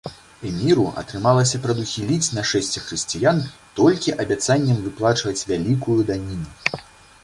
Эміру атрымалася прадухіліць нашэсце хрысціян толькі абяцаннем выплачваць вялікую даніну.